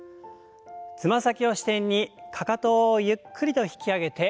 つま先を支点にかかとをゆっくりと引き上げて下ろす運動です。